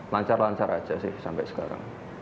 lancar lancar aja sih sampai sekarang